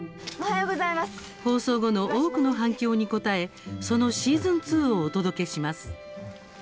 放送後の多くの反響に応えそのシーズン２をお届けします。